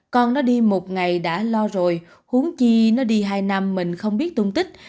con nó đi một ngày đã lo rồi uống chi nó đi hai năm mình không biết tung tích